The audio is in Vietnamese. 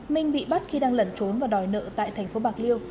minh bị bắt khi đang lẩn trốn và đòi nợ tại thành phố bạc liêu